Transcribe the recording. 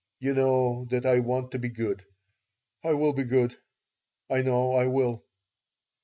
You know that I want to be good. I will be good. I know I will."